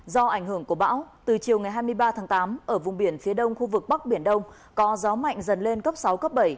do ảnh hưởng của bão từ chiều ngày hai mươi ba tháng tám ở vùng biển phía đông khu vực bắc biển đông có gió mạnh dần lên cấp sáu cấp bảy